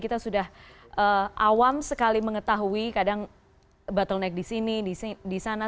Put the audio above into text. kita sudah awam sekali mengetahui kadang bottleneck di sini di sana